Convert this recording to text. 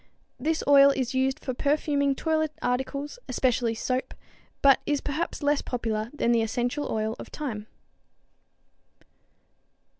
This oil is used for perfuming toilet articles, especially soap, but is perhaps less popular than the essential oil of thyme.